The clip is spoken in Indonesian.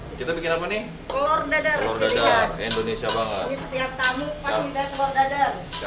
ini kokinya rumah indonesia nih